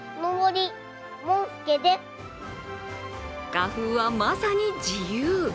画風はまさに自由。